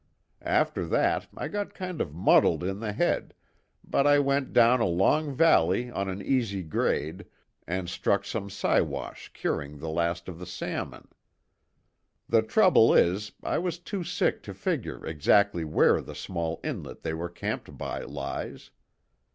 After that, I got kind of muddled in the head, but I went down a long valley on an easy grade and struck some Siwash curing the last of the salmon. The trouble is, I was too sick to figure exactly where the small inlet they were camped by lies.